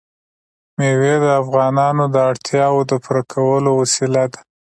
مېوې د افغانانو د اړتیاوو د پوره کولو وسیله ده.